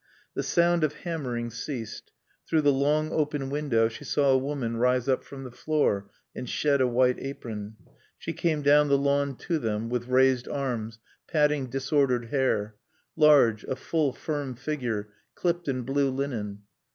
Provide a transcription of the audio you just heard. The sound of hammering ceased. Through the long, open window she saw a woman rise up from the floor and shed a white apron. She came down the lawn to them, with raised arms, patting disordered hair; large, a full, firm figure clipped in blue linen.